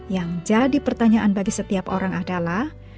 yang jadi pertanyaan bagi setiap orang adalah